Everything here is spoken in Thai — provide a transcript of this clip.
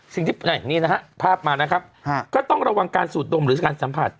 สิ่งที่นี่นะฮะภาพมานะครับก็ต้องระวังการสูดดมหรือการสัมผัส